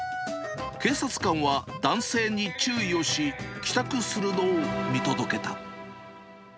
警察官は男性に注意をし、帰宅するのを見届けた。